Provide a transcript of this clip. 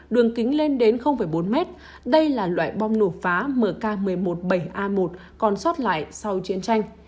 đường kính lên đến bốn mét đây là loại bom nổ phá mk một mươi một bảy a một còn sót lại sau chiến tranh